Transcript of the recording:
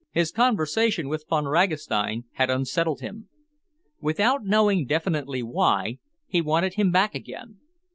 His conversation with Von Ragastein had unsettled him. Without knowing definitely why, he wanted him back again.